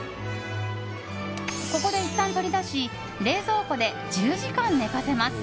ここでいったん取り出し冷蔵庫で１０時間寝かせます。